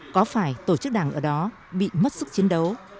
có phải tổ chức đảng ở đó bị mất sức chiến đấu